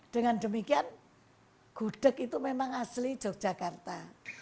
dengan demikian gudeg itu memang asli yogyakarta